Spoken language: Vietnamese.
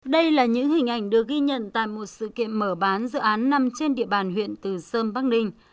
đây là những hình ảnh được ghi nhận tại một sự kiện mở bán dự án nằm trên địa bàn huyện từ sơn bắc ninh